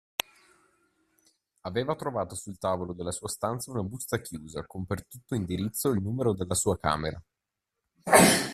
Aveva trovato sul tavolo della sua stanza una busta chiusa con per tutto indirizzo il numero della sua camera.